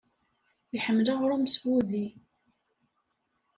Iḥemmel aɣrum s wudi.